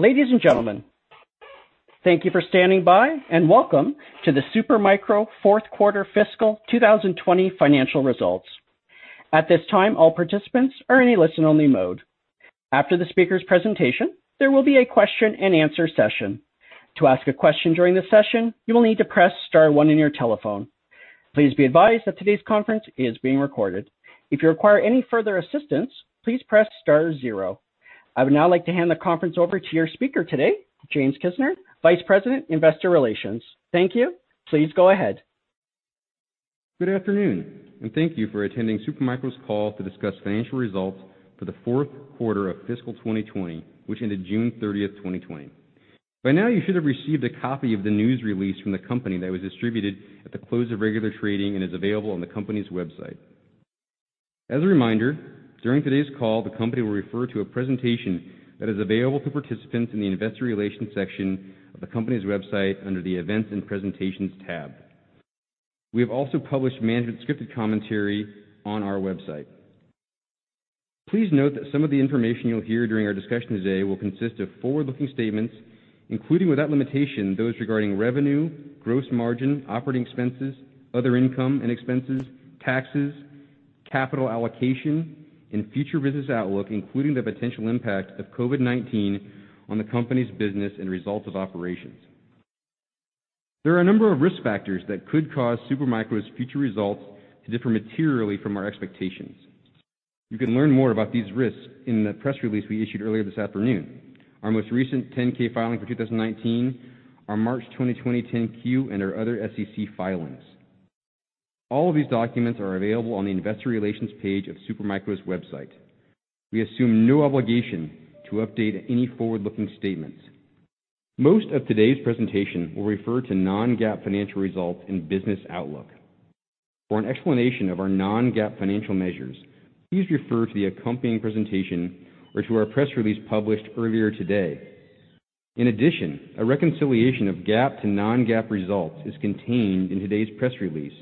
Ladies and gentlemen, thank you for standing by, and welcome to the Super Micro fourth quarter fiscal 2020 financial results. At this time, all participants are in a listen-only mode. After the speaker's presentation, there will be a question-and-answer session. To ask a question during the session, you will need to press star one on your telephone. Please be advised that today's conference is being recorded. If you require any further assistance, please press star zero. I would now like to hand the conference over to your speaker today, James Kisner, Vice President, Investor Relations. Thank you. Please go ahead. Good afternoon, and thank you for attending Super Micro's call to discuss financial results for the fourth quarter of fiscal 2020, which ended June 30th, 2020. By now, you should have received a copy of the news release from the company that was distributed at the close of regular trading and is available on the company's website. As a reminder, during today's call, the company will refer to a presentation that is available to participants in the investor relations section of the company's website under the events and presentations tab. We have also published management's scripted commentary on our website. Please note that some of the information you'll hear during our discussion today will consist of forward-looking statements, including, without limitation, those regarding revenue, gross margin, operating expenses, other income and expenses, taxes, capital allocation, and future business outlook, including the potential impact of COVID-19 on the company's business and results of operations. There are a number of risk factors that could cause Super Micro's future results to differ materially from our expectations. You can learn more about these risks in the press release we issued earlier this afternoon, our most recent 10-K filing for 2019, our March 2020 10-Q, and our other SEC filings. All of these documents are available on the investor relations page of Super Micro's website. We assume no obligation to update any forward-looking statements. Most of today's presentation will refer to non-GAAP financial results and business outlook. For an explanation of our non-GAAP financial measures, please refer to the accompanying presentation or to our press release published earlier today. In addition, a reconciliation of GAAP to non-GAAP results is contained in today's press release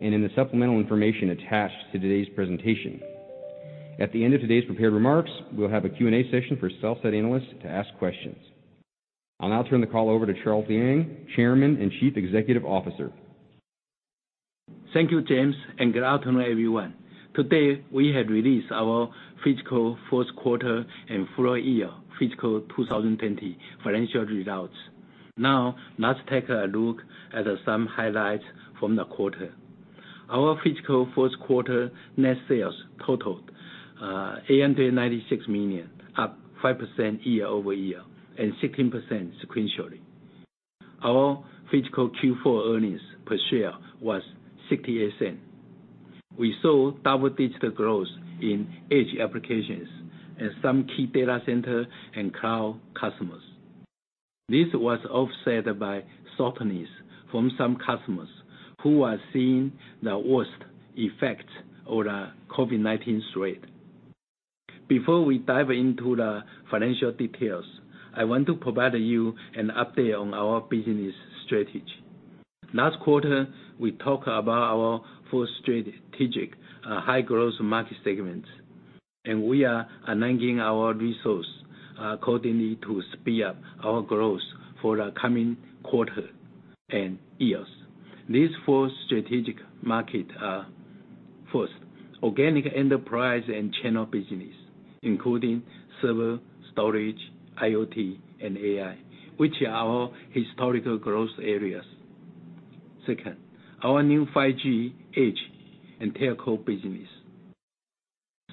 and in the supplemental information attached to today's presentation. At the end of today's prepared remarks, we'll have a Q&A session for sell-side analysts to ask questions. I'll now turn the call over to Charles Liang, Chairman and Chief Executive Officer. Thank you, James, and good afternoon, everyone. Today, we have released our fiscal fourth quarter and full year fiscal 2020 financial results. Let's take a look at some highlights from the quarter. Our fiscal fourth quarter net sales totaled $896 million, up 5% year-over-year and 16% sequentially. Our fiscal Q4 earnings per share was $0.68. We saw double-digit growth in edge applications and some key data center and cloud customers. This was offset by softness from some customers who are seeing the worst effects of the COVID-19 spread. Before we dive into the financial details, I want to provide you an update on our business strategy. Last quarter, we talked about our four strategic high-growth market segments, we are aligning our resources accordingly to speed up our growth for the coming quarters and years. These four strategic markets are, first, organic enterprise and channel business, including server, storage, IoT, and AI, which are our historical growth areas. Second, our new 5G, edge, and telco business.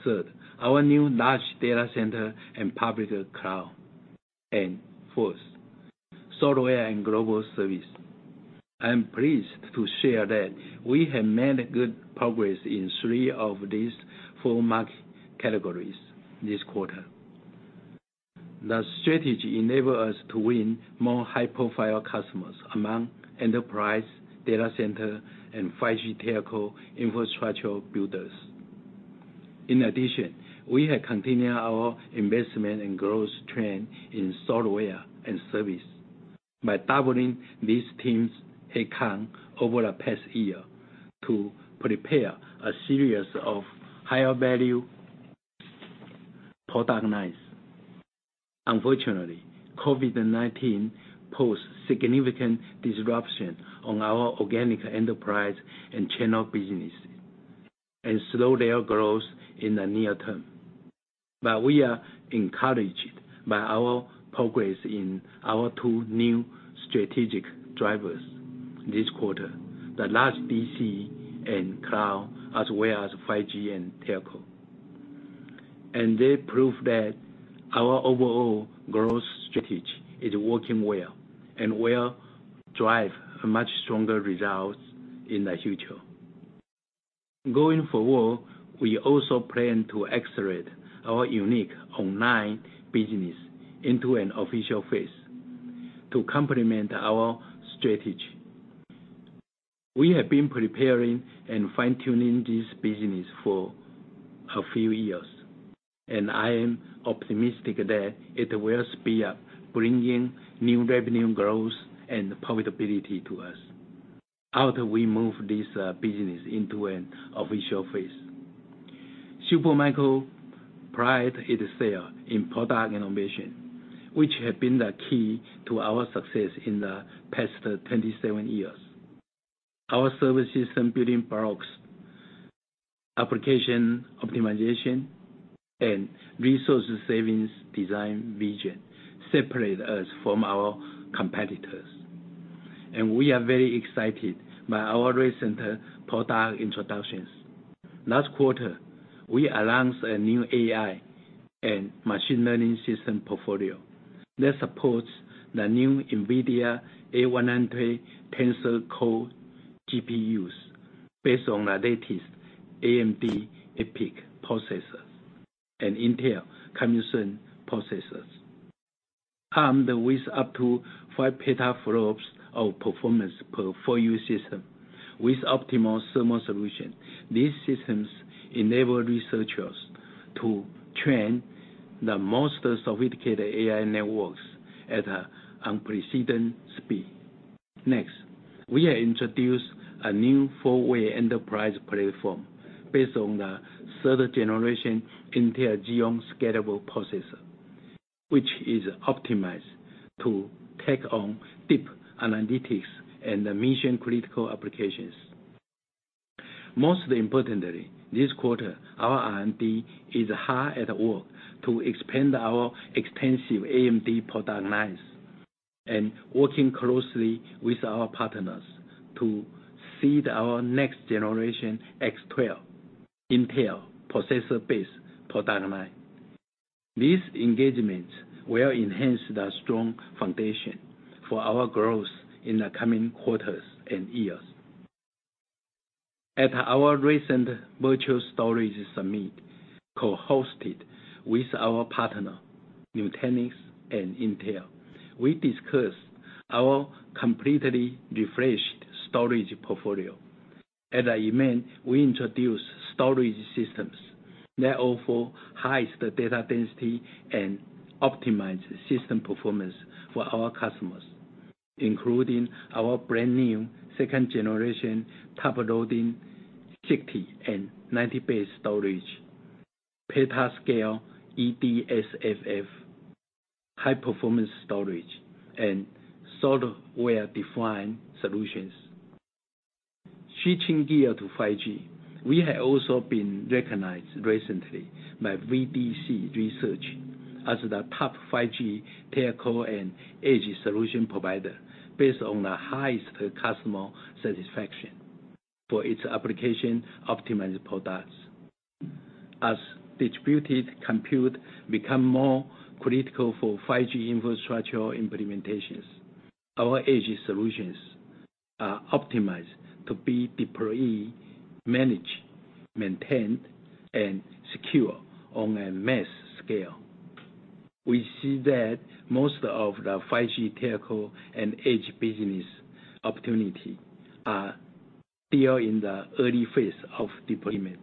Third, our new large data center and public cloud. Fourth, software and global service. I am pleased to share that we have made good progress in three of these four market categories this quarter. The strategy enables us to win more high-profile customers among enterprise data center and 5G telco infrastructure builders. In addition, we have continued our investment and growth trend in software and service by doubling these teams' headcount over the past year to prepare a series of higher-value product lines. Unfortunately, COVID-19 posed significant disruption on our organic enterprise and channel business and slowed their growth in the near term. We are encouraged by our progress in our two new strategic drivers this quarter, the large DC and cloud, as well as 5G and telco. They prove that our overall growth strategy is working well and will drive much stronger results in the future. Going forward, we also plan to accelerate our unique online business into an official phase to complement our strategy. We have been preparing and fine-tuning this business for a few years, and I am optimistic that it will speed up, bringing new revenue growth and profitability to us. After we move this business into an official phase. Super Micro prides itself in product innovation, which has been the key to our success in the past 27 years. Our services and building blocks, application optimization, and resource savings design vision separate us from our competitors, and we are very excited by our recent product introductions. Last quarter, we announced a new AI and machine learning system portfolio that supports the new NVIDIA A100 Tensor Core GPUs based on the latest AMD EPYC processors and Intel Xeon processors. Armed with up to five petaFLOPS of performance per 4U system with optimal thermal solution, these systems enable researchers to train the most sophisticated AI networks at unprecedented speed. Next, we have introduced a new four-way enterprise platform based on the third-generation Intel Xeon scalable processor, which is optimized to take on deep analytics and mission-critical applications. Most importantly, this quarter, our R&D is hard at work to expand our extensive AMD product lines and working closely with our partners to seed our next-generation X12 Intel processor-based product line. These engagements will enhance the strong foundation for our growth in the coming quarters and years. At our recent virtual storage summit, co-hosted with our partner Nutanix and Intel, we discussed our completely refreshed storage portfolio. At the event, we introduced storage systems that offer highest data density and optimized system performance for our customers, including our brand new second generation top loading 60 and 90 bay storage, petascale EDSFF, high performance storage, and software-defined solutions. Switching gear to 5G, we have also been recognized recently by VDC Research as the top 5G telco and edge solution provider based on the highest customer satisfaction for its application-optimized products. As distributed compute become more critical for 5G infrastructure implementations, our edge solutions are optimized to be deployed, managed, maintained, and secure on a mass scale. We see that most of the 5G telco and edge business opportunity are still in the early phase of deployment.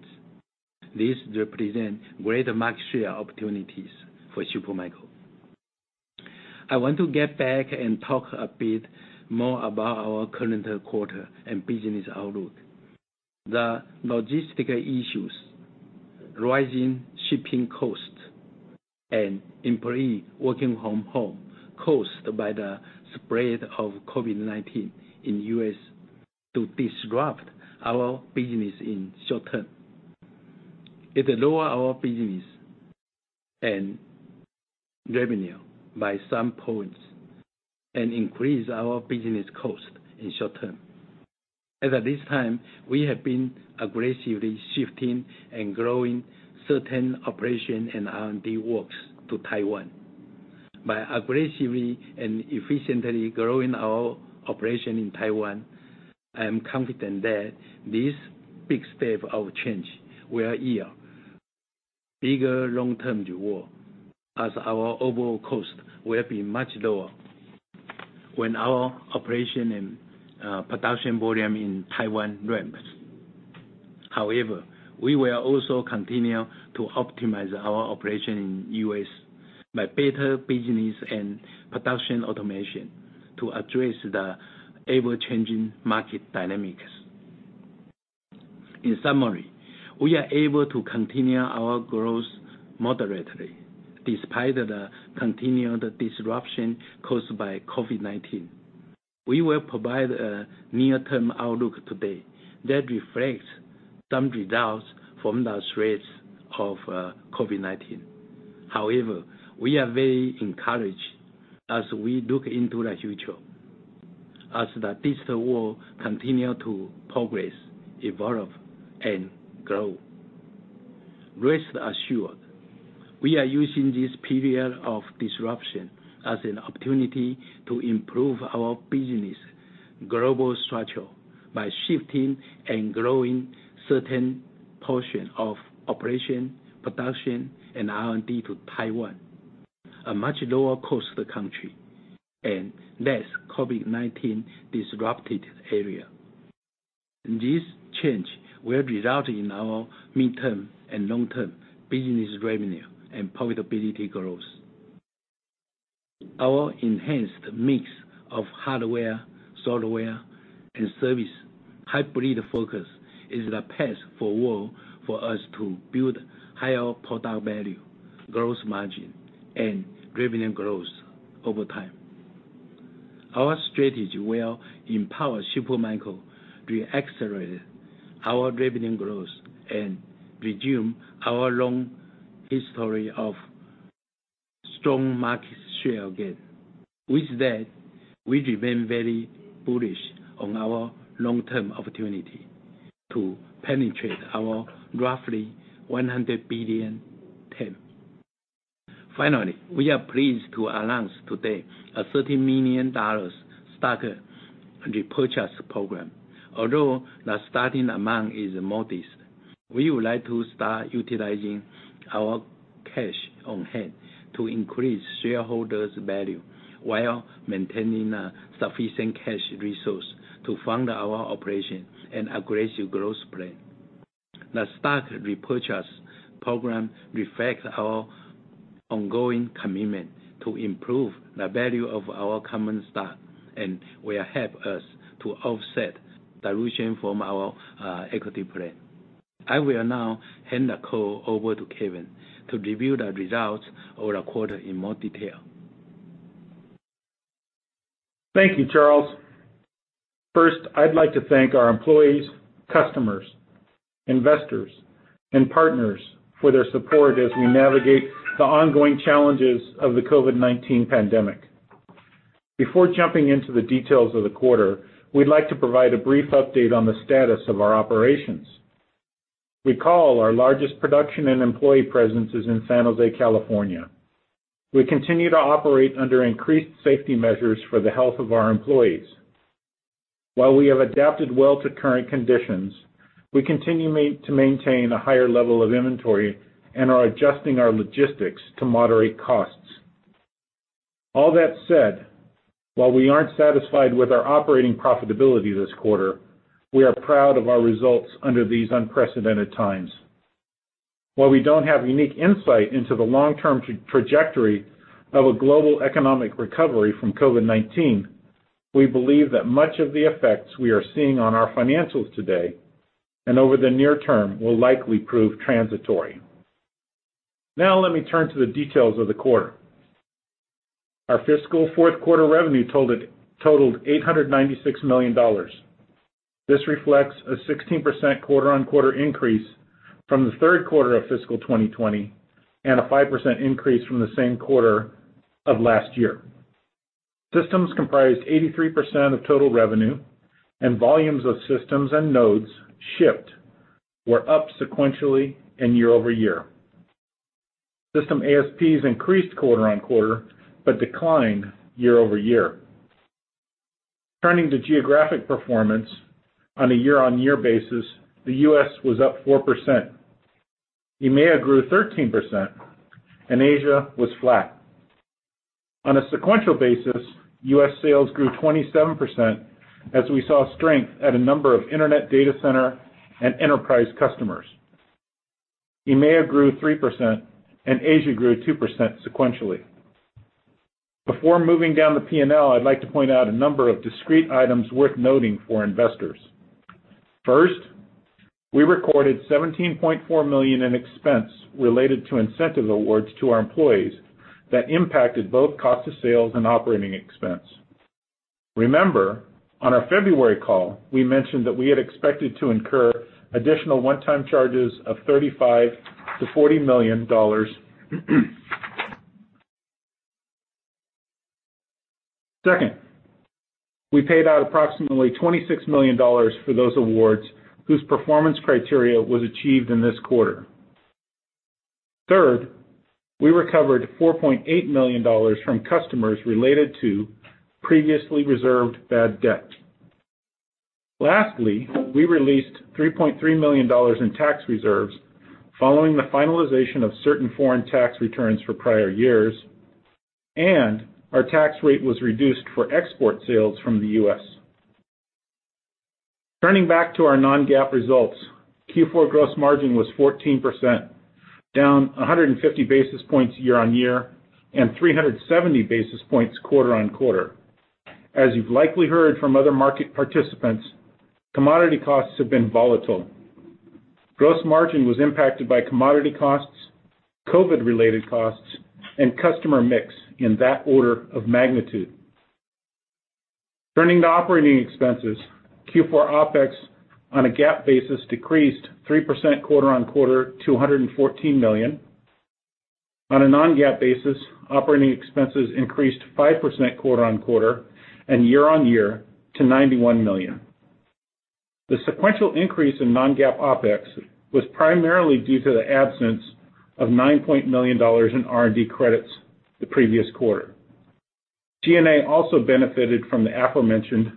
This represents greater market share opportunities for Super Micro. I want to get back and talk a bit more about our current quarter and business outlook. The logistical issues, rising shipping costs, and employees working from home caused by the spread of COVID-19 in the U.S. to disrupt our business in short term. It lower our business and revenue by some points and increase our business cost in short term. As at this time, we have been aggressively shifting and growing certain operation and R&D works to Taiwan. By aggressively and efficiently growing our operation in Taiwan, I am confident that this big step of change will yield bigger long-term reward as our overall cost will be much lower when our operation and production volume in Taiwan ramps. However, we will also continue to optimize our operation in U.S. by better business and production automation to address the ever-changing market dynamics. In summary, we are able to continue our growth moderately despite the continued disruption caused by COVID-19. We will provide a near-term outlook today that reflects some results from the threats of COVID-19. We are very encouraged as we look into the future, as the digital world continue to progress, evolve and grow. Rest assured, we are using this period of disruption as an opportunity to improve our business global structure by shifting and growing certain portion of operation, production, and R&D to Taiwan, a much lower cost country and less COVID-19 disrupted area. This change will result in our mid-term and long-term business revenue and profitability growth. Our enhanced mix of hardware, software, and service hybrid focus is the path forward for us to build higher product value, gross margin, and revenue growth over time. Our strategy will empower Super Micro to accelerate our revenue growth and resume our long history of strong market share gain. With that, we remain very bullish on our long-term opportunity to penetrate our roughly $100 billion TAM. Finally, we are pleased to announce today a $30 million stock repurchase program. Although the starting amount is modest, we would like to start utilizing our cash on hand to increase shareholders' value while maintaining a sufficient cash resource to fund our operation and aggressive growth plan. The stock repurchase program reflects our ongoing commitment to improve the value of our common stock and will help us to offset dilution from our equity plan. I will now hand the call over to Kevin to review the results of the quarter in more detail. Thank you, Charles. First, I'd like to thank our employees, customers, investors, and partners for their support as we navigate the ongoing challenges of the COVID-19 pandemic. Before jumping into the details of the quarter, we'd like to provide a brief update on the status of our operations. Recall, our largest production and employee presence is in San Jose, California. We continue to operate under increased safety measures for the health of our employees. While we have adapted well to current conditions, we continue to maintain a higher level of inventory and are adjusting our logistics to moderate costs. All that said, while we aren't satisfied with our operating profitability this quarter, we are proud of our results under these unprecedented times. While we don't have unique insight into the long-term trajectory of a global economic recovery from COVID-19, we believe that much of the effects we are seeing on our financials today and over the near term will likely prove transitory. Let me turn to the details of the quarter. Our fiscal fourth quarter revenue totaled $896 million. This reflects a 16% quarter-on-quarter increase from the third quarter of fiscal 2020, and a 5% increase from the same quarter of last year. Systems comprised 83% of total revenue, and volumes of systems and nodes shipped were up sequentially and year-over-year. System ASPs increased quarter-on-quarter, but declined year-over-year. Turning to geographic performance on a year-on-year basis, the U.S. was up 4%, EMEA grew 13%, and Asia was flat. On a sequential basis, U.S. sales grew 27% as we saw strength at a number of internet data center and enterprise customers. EMEA grew 3% and Asia grew 2% sequentially. Before moving down the P&L, I'd like to point out a number of discrete items worth noting for investors. First, we recorded $17.4 million in expense related to incentive awards to our employees that impacted both cost of sales and operating expense. Remember, on our February call, we mentioned that we had expected to incur additional one-time charges of $35 million-$40 million. Second, we paid out approximately $26 million for those awards whose performance criteria was achieved in this quarter. Third, we recovered $4.8 million from customers related to previously reserved bad debt. Lastly, we released $3.3 million in tax reserves following the finalization of certain foreign tax returns for prior years. Our tax rate was reduced for export sales from the U.S. Turning back to our non-GAAP results, Q4 gross margin was 14%, down 150 basis points year-over-year and 370 basis points quarter-over-quarter. As you've likely heard from other market participants, commodity costs have been volatile. Gross margin was impacted by commodity costs, COVID-related costs, and customer mix in that order of magnitude. Turning to operating expenses, Q4 OpEx on a GAAP basis decreased 3% quarter-over-quarter to $114 million. On a non-GAAP basis, operating expenses increased 5% quarter-over-quarter and year-over-year to $91 million. The sequential increase in non-GAAP OpEx was primarily due to the absence of $9.9 million in R&D credits the previous quarter. G&A also benefited from the aforementioned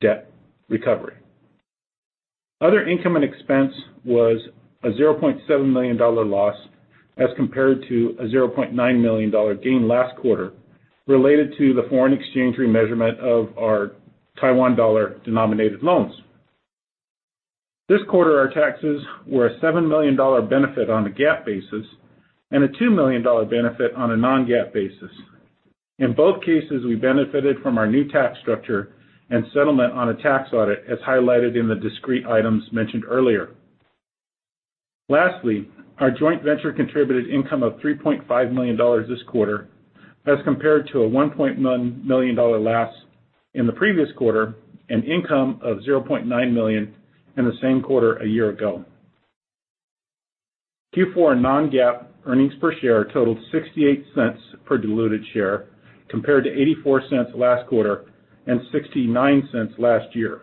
debt recovery. Other income and expense was a $0.7 million loss as compared to a $0.9 million gain last quarter related to the foreign exchange remeasurement of our Taiwan dollar-denominated loans. This quarter, our taxes were a $7 million benefit on a GAAP basis and a $2 million benefit on a non-GAAP basis. In both cases, we benefited from our new tax structure and settlement on a tax audit, as highlighted in the discrete items mentioned earlier. Lastly, our joint venture contributed income of $3.5 million this quarter as compared to a $1.9 million loss in the previous quarter and income of $0.9 million in the same quarter a year ago. Q4 non-GAAP earnings per share totaled $0.68 per diluted share compared to $0.84 last quarter and $0.69 last year.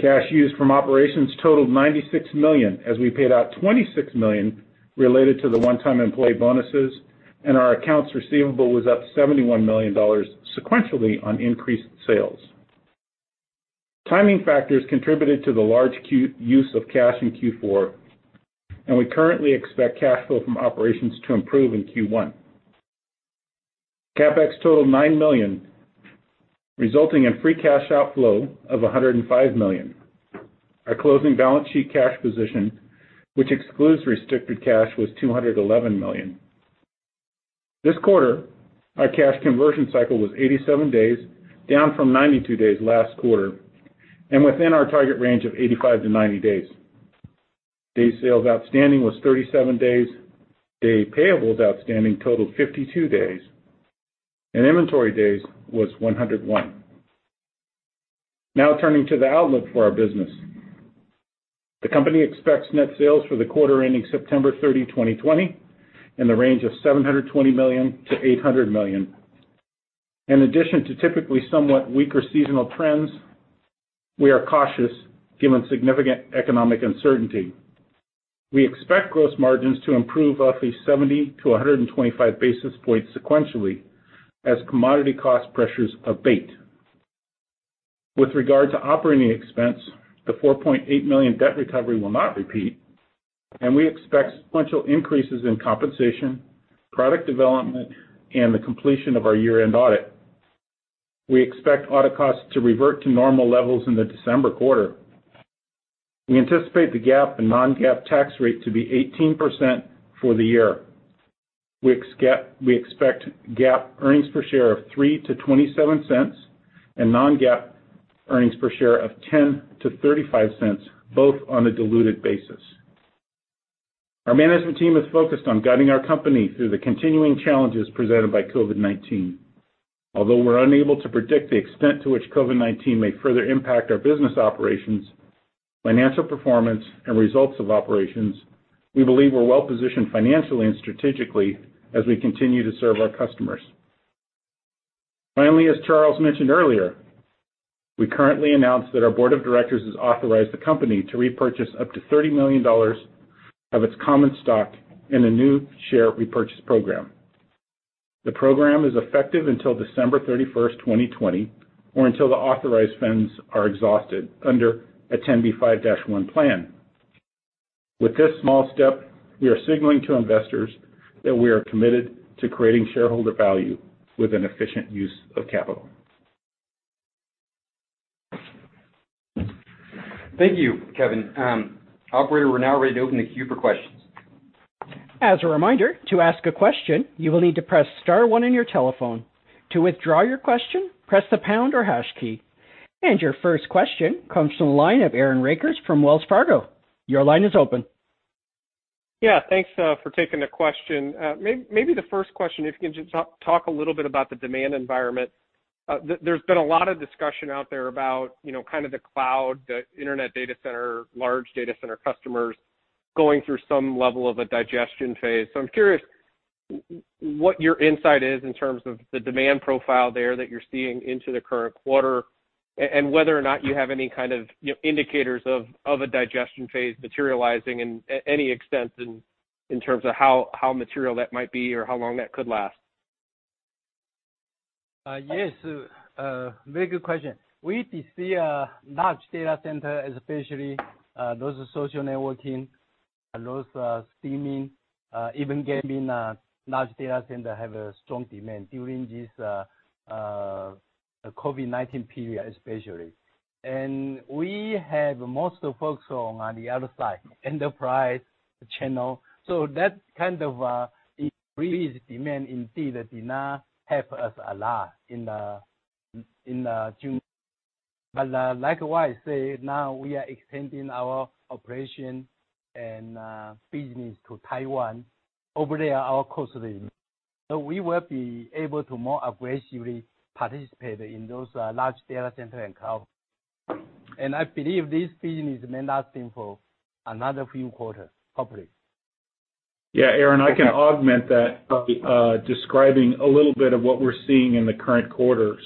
Cash used from operations totaled $96 million, as we paid out $26 million related to the one-time employee bonuses. Our accounts receivable was up $71 million sequentially on increased sales. Timing factors contributed to the large use of cash in Q4. We currently expect cash flow from operations to improve in Q1. CapEx totaled $9 million, resulting in free cash outflow of $105 million. Our closing balance sheet cash position, which excludes restricted cash, was $211 million. This quarter, our cash conversion cycle was 87 days, down from 92 days last quarter, and within our target range of 85-90 days. Day sales outstanding was 37 days. Day payables outstanding totaled 52 days. Inventory days was 101. Turning to the outlook for our business. The company expects net sales for the quarter ending September 30, 2020, in the range of $720 million-$800 million. In addition to typically somewhat weaker seasonal trends, we are cautious given significant economic uncertainty. We expect gross margins to improve roughly 70-125 basis points sequentially as commodity cost pressures abate. With regard to operating expense, the $4.8 million debt recovery will not repeat, and we expect sequential increases in compensation, product development, and the completion of our year-end audit. We expect audit costs to revert to normal levels in the December quarter. We anticipate the GAAP and non-GAAP tax rate to be 18% for the year. We expect GAAP earnings per share of $0.03-$0.27 and non-GAAP earnings per share of $0.10-$0.35, both on a diluted basis. Our management team is focused on guiding our company through the continuing challenges presented by COVID-19. Although we're unable to predict the extent to which COVID-19 may further impact our business operations, financial performance, and results of operations, we believe we're well-positioned financially and strategically as we continue to serve our customers. Finally, as Charles mentioned earlier, we currently announced that our board of directors has authorized the company to repurchase up to $30 million of its common stock in a new share repurchase program. The program is effective until December 31st, 2020, or until the authorized funds are exhausted under a 10b5-1 plan. With this small step, we are signaling to investors that we are committed to creating shareholder value with an efficient use of capital. Thank you, Kevin. Operator, we're now ready to open the queue for questions. As a reminder, to ask a question, you will need to press star one on your telephone. To withdraw your question, press the pound or hash key. Your first question comes from the line of Aaron Rakers from Wells Fargo. Your line is open. Yeah. Thanks for taking the question. Maybe the first question, if you can just talk a little bit about the demand environment. There's been a lot of discussion out there about kind of the cloud, the internet data center, large data center customers going through some level of a digestion phase. I'm curious what your insight is in terms of the demand profile there that you're seeing into the current quarter, and whether or not you have any kind of indicators of a digestion phase materializing in any extent in terms of how material that might be or how long that could last. Yes. Very good question. We did see a large data center, especially those social networking, those steaming, even gaming, large data center have a strong demand during this COVID-19 period, especially. We have most folks on the other side, enterprise channel. That kind of increased demand indeed did not help us a lot in June. Likewise, now we are extending our operation and business to Taiwan. Over there are costly. We will be able to more aggressively participate in those large data center in cloud. I believe this business may last for another few quarters, hopefully. Yeah, Aaron, I can augment that by describing a little bit of what we're seeing in the current quarter.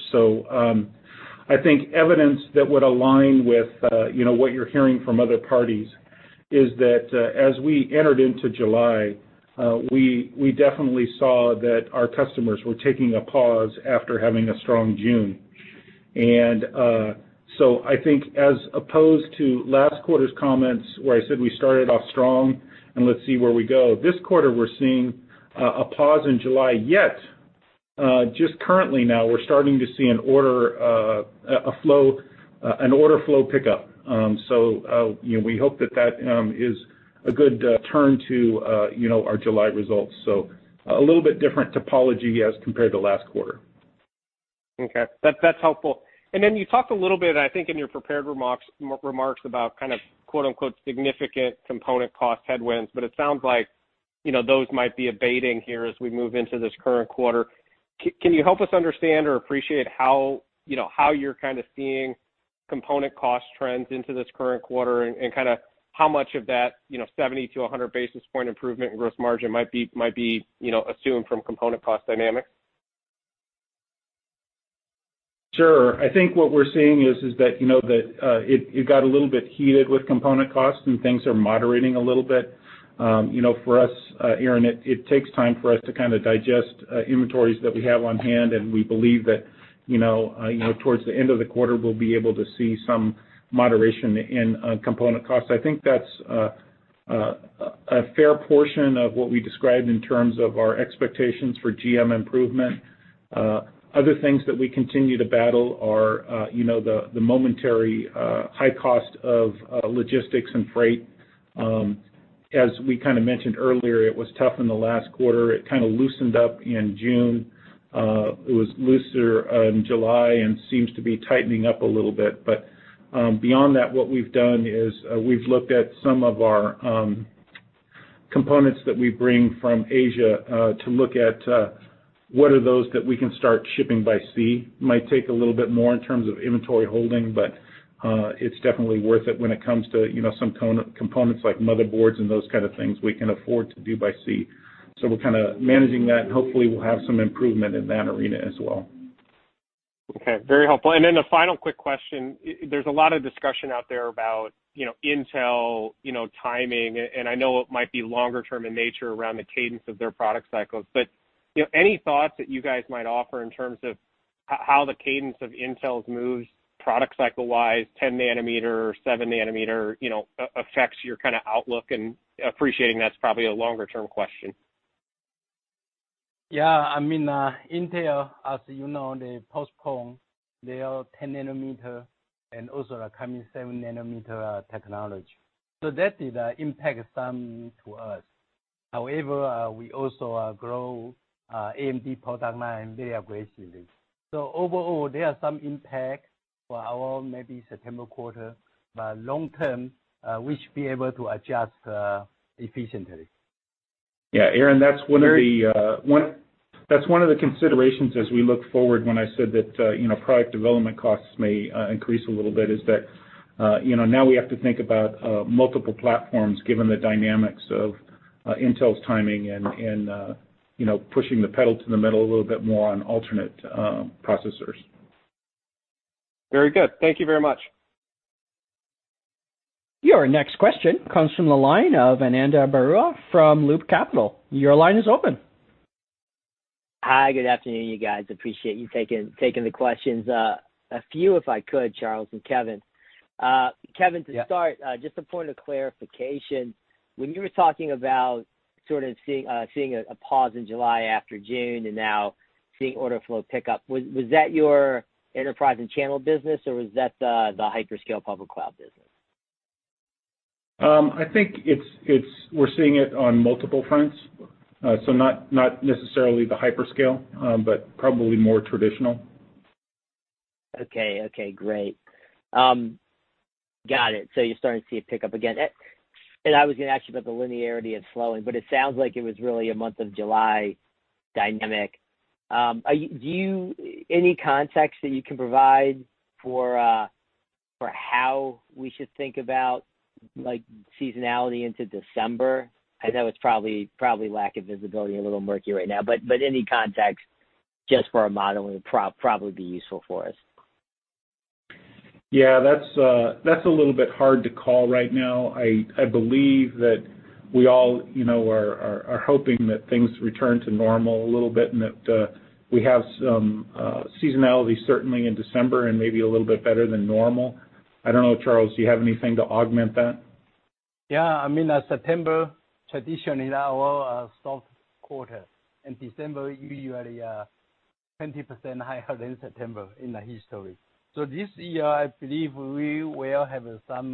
I think evidence that would align with what you're hearing from other parties is that, as we entered into July, we definitely saw that our customers were taking a pause after having a strong June. I think as opposed to last quarter's comments, where I said we started off strong and let's see where we go, this quarter we're seeing a pause in July, yet Just currently now, we're starting to see an order flow pickup. We hope that that is a good turn to our July results. A little bit different topology as compared to last quarter. Okay. That's helpful. You talked a little bit, I think, in your prepared remarks about "significant component cost headwinds," but it sounds like those might be abating here as we move into this current quarter. Can you help us understand or appreciate how you're seeing component cost trends into this current quarter, and how much of that 70-100 basis point improvement in gross margin might be assumed from component cost dynamics? Sure. I think what we're seeing is that it got a little bit heated with component costs, and things are moderating a little bit. For us, Aaron, it takes time for us to digest inventories that we have on hand, and we believe that towards the end of the quarter, we'll be able to see some moderation in component costs. I think that's a fair portion of what we described in terms of our expectations for GM improvement. Other things that we continue to battle are the momentary high cost of logistics and freight. As we mentioned earlier, it was tough in the last quarter. It kind of loosened up in June. It was looser in July and seems to be tightening up a little bit. Beyond that, what we've done is we've looked at some of our components that we bring from Asia to look at what are those that we can start shipping by sea. Might take a little bit more in terms of inventory holding, but it's definitely worth it when it comes to some components like motherboards and those kind of things we can afford to do by sea. We're kind of managing that, and hopefully, we'll have some improvement in that arena as well. Okay. Very helpful. A final quick question. There's a lot of discussion out there about Intel timing, and I know it might be longer term in nature around the cadence of their product cycles, but any thoughts that you guys might offer in terms of how the cadence of Intel's moves, product cycle-wise, 10 nm, 7 nm, affects your outlook and appreciating that's probably a longer-term question? Yeah. Intel, as you know, they postponed their 10 nm and also the coming 7 nm technology. That did impact some to us. However, we also grow AMD product line very aggressively. Overall, there are some impact for our maybe September quarter. Long term, we should be able to adjust efficiently. Yeah, Aaron, that is one of the considerations as we look forward when I said that product development costs may increase a little bit, is that now we have to think about multiple platforms given the dynamics of Intel’s timing and pushing the pedal to the metal a little bit more on alternate processors. Very good. Thank you very much. Your next question comes from the line of Ananda Baruah from Loop Capital. Your line is open. Hi, good afternoon, you guys. Appreciate you taking the questions. A few, if I could, Charles and Kevin. Yeah. Kevin, to start, just a point of clarification. When you were talking about sort of seeing a pause in July after June and now seeing order flow pick up, was that your enterprise and channel business, or was that the hyperscale public cloud business? I think we're seeing it on multiple fronts. Not necessarily the hyperscale, but probably more traditional. Okay. Great. Got it. You're starting to see it pick up again. I was going to ask you about the linearity of slowing, it sounds like it was really a month of July dynamic. Any context that you can provide for how we should think about seasonality into December? I know it's probably lack of visibility and a little murky right now, any context just for our modeling would probably be useful for us. Yeah, that's a little bit hard to call right now. I believe that we all are hoping that things return to normal a little bit and that we have some seasonality, certainly in December and maybe a little bit better than normal. I don't know, Charles, do you have anything to augment that? September traditionally is our soft quarter. December usually 20% higher than September in the history. This year, I believe we will have some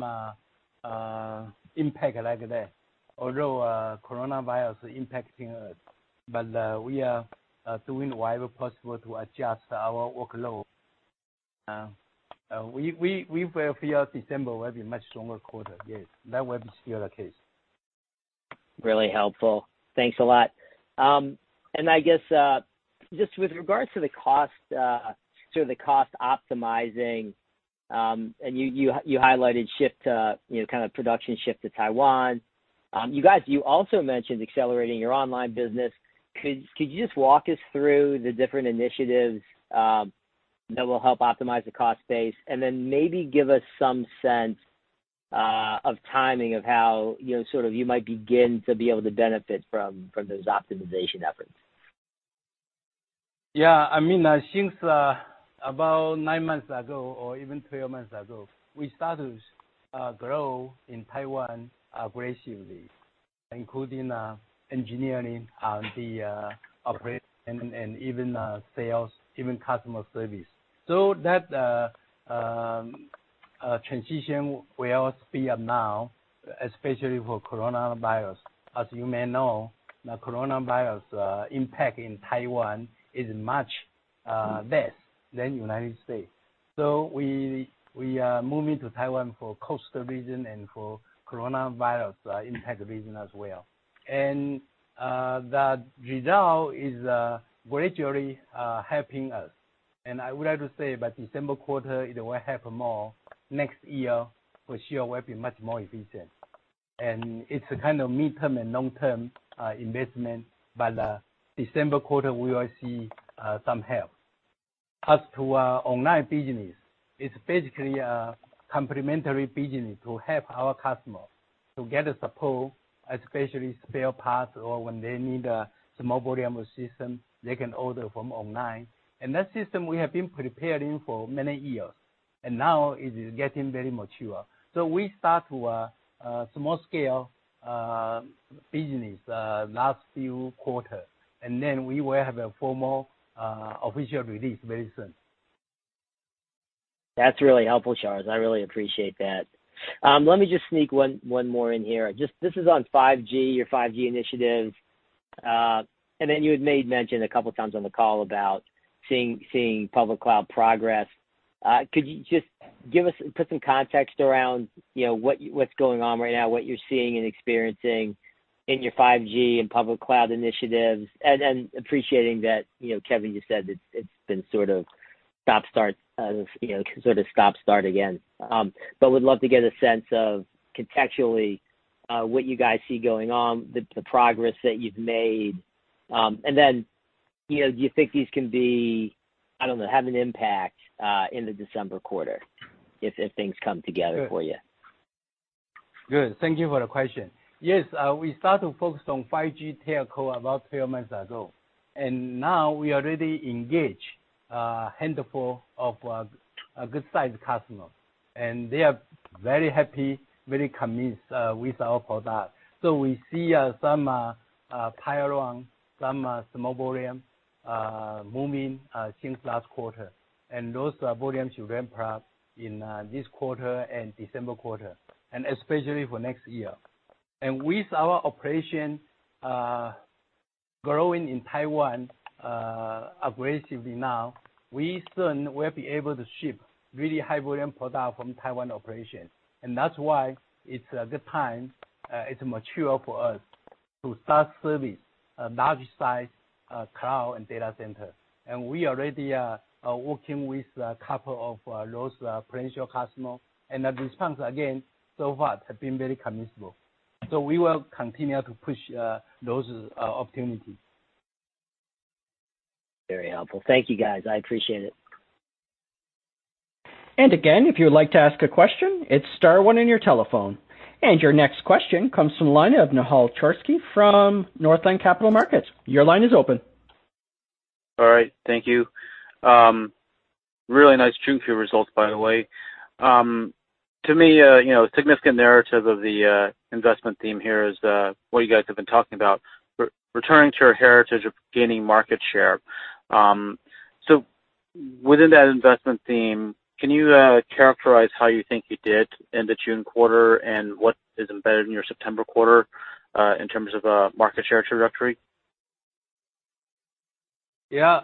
impact like that, although coronavirus impacting us. We are doing whatever possible to adjust our workload. We feel December will be a much stronger quarter. That will be still the case. Really helpful. Thanks a lot. I guess just with regards to the cost optimizing, and you highlighted production shift to Taiwan. You guys, you also mentioned accelerating your online business. Could you just walk us through the different initiatives that will help optimize the cost base, and then maybe give us some sense of timing of how you might begin to be able to benefit from those optimization efforts? Yeah. Since about nine months ago, or even 12 months ago, we started to grow in Taiwan aggressively. Including engineering, R&D, operations, and even sales, even customer service. That transition will speed up now, especially for coronavirus. As you may know, the coronavirus impact in Taiwan is much less than United States. We are moving to Taiwan for cost reduction and for coronavirus impact region as well. The result is gradually helping us. I would like to say by December quarter, it will help more. Next year, for sure will be much more efficient. It's a kind of midterm and long-term investment, by the December quarter, we will see some help. As to our online business, it's basically a complimentary business to help our customer to get support, especially spare parts or when they need a small volume of system, they can order from online. That system we have been preparing for many years, and now it is getting very mature. We start to a small scale business last few quarter, and then we will have a formal official release very soon. That's really helpful, Charles. I really appreciate that. Let me just sneak one more in here. This is on 5G, your 5G initiative. Then you had made mention a couple of times on the call about seeing public cloud progress. Could you just put some context around what's going on right now, what you're seeing and experiencing in your 5G and public cloud initiatives? Appreciating that, Kevin, you said that it's been sort of stop, start, sort of stop, start again. Would love to get a sense of contextually, what you guys see going on, the progress that you've made. Then, do you think these can be, I don't know, have an impact, in the December quarter if things come together for you? Good. Thank you for the question. Yes. We start to focus on 5G telco about three months ago. Now we already engage a handful of good-sized customers. They are very happy, very convinced with our product. We see some pipeline, some small volume moving since last quarter. Those volumes should ramp up in this quarter and December quarter, and especially for next year. With our operation growing in Taiwan aggressively now, we soon will be able to ship really high volume product from Taiwan operation. That's why it's a good time, it's mature for us to start service large size cloud and data center. We already are working with a couple of those potential customers. The response, again, so far, have been very commendable. We will continue to push those opportunities. Very helpful. Thank you, guys. I appreciate it. Again, if you would like to ask a question, it's star one on your telephone. Your next question comes from the line of Nehal Chokshi from Northland Capital Markets. Your line is open. All right. Thank you. Really nice Q2 results, by the way. To me, significant narrative of the investment theme here is what you guys have been talking about, returning to your heritage of gaining market share. Within that investment theme, can you characterize how you think you did in the June quarter and what is embedded in your September quarter, in terms of market share trajectory? Yeah,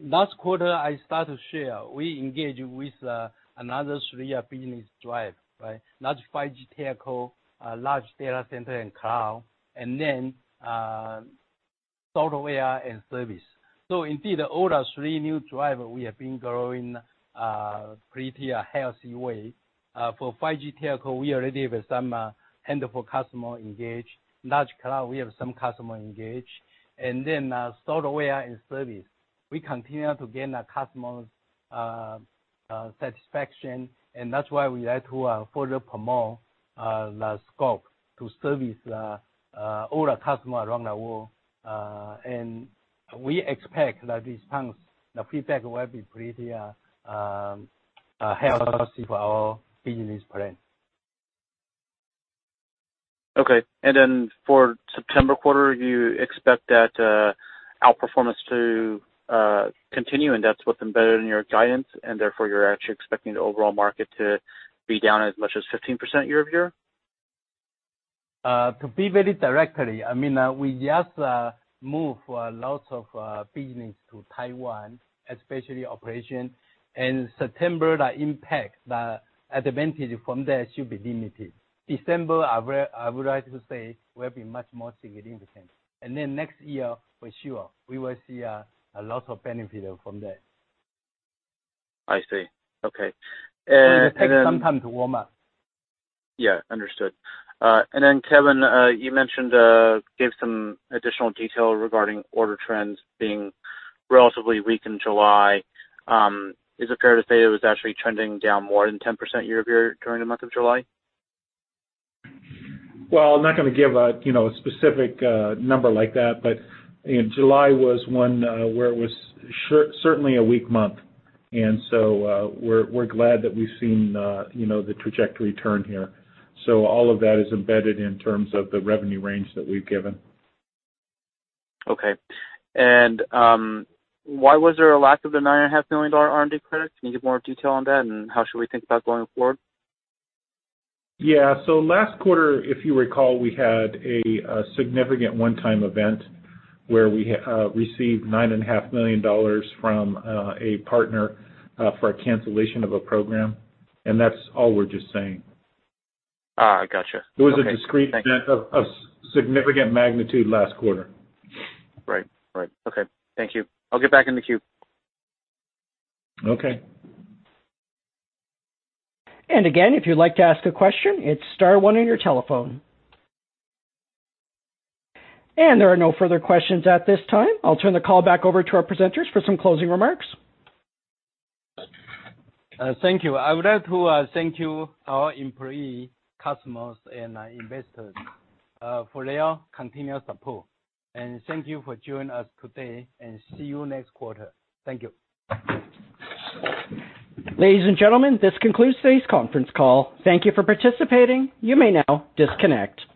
last quarter, I start to share, we engage with another three business drive, right? Large 5G telco, large data center and cloud, and then software and service. Indeed, all our three new driver, we have been growing pretty a healthy way. For 5G telco, we already have some handful customer engaged. Large cloud, we have some customer engaged. Software and service, we continue to gain the customers' satisfaction. That's why we like to further promote the scope to service all our customer around the world. We expect the response, the feedback will be pretty healthy for our business plan. Okay. For September quarter, you expect that outperformance to continue, and that's what's embedded in your guidance, and therefore you're actually expecting the overall market to be down as much as 15% year-over-year? To be very directly, we just move lots of business to Taiwan, especially operation. In September, the impact, the advantage from that should be limited. December, I would like to say, will be much more significant. Next year, for sure, we will see lots of benefit from that. I see. Okay. It takes some time to warm up. Yeah, understood. Kevin, you mentioned, gave some additional detail regarding order trends being relatively weak in July. Is it fair to say it was actually trending down more than 10% year-over-year during the month of July? Well, I'm not going to give a specific number like that, but July was one where it was certainly a weak month. We're glad that we've seen the trajectory turn here. All of that is embedded in terms of the revenue range that we've given. Okay. Why was there a lack of the $9.5 million R&D credit? Can you give more detail on that, and how should we think about going forward? Yeah. Last quarter, if you recall, we had a significant one-time event where we received $9.5 million from a partner for a cancellation of a program. That's all we're just saying. Got you. Okay. It was a discrete event of significant magnitude last quarter. Right. Okay. Thank you. I'll get back in the queue. Okay. Again, if you'd like to ask a question, it's star one on your telephone. There are no further questions at this time. I'll turn the call back over to our presenters for some closing remarks. Thank you. I would like to thank you our employee, customers, and investors for their continued support. Thank you for joining us today, and see you next quarter. Thank you. Ladies and gentlemen, this concludes today's conference call. Thank you for participating. You may now disconnect.